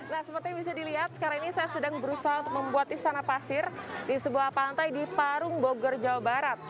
nah seperti bisa dilihat sekarang ini saya sedang berusaha untuk membuat istana pasir di sebuah pantai di parung bogor jawa barat